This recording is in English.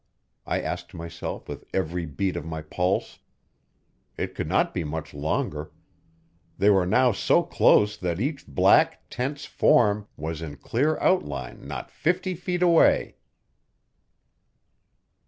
I asked myself with every beat of my pulse. It could not be much longer they were now so close that each black, tense form was in clear outline not fifty feet away.